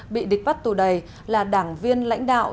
bị địch bắt tù đầy là đảng viên lãnh đạo